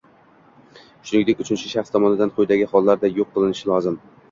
shuningdek uchinchi shaxs tomonidan quyidagi hollarda yo‘q qilinishi lozim: